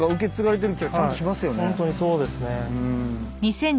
本当にそうですね。